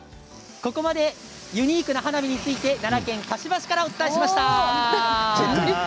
ここまでユニークな花火について奈良県香芝市からお届けしました。